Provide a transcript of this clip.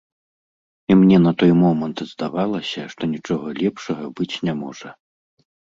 І мне на той момант здавалася, што нічога лепшага быць не можа.